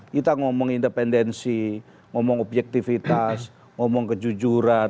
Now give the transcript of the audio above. kita ngomong independensi ngomong objektivitas ngomong kejujuran